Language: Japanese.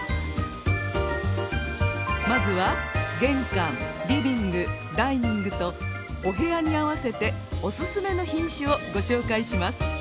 まずは玄関リビングダイニングとお部屋に合わせてオススメの品種をご紹介します。